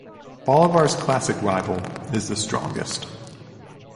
Bolivar's classic rival is The Strongest.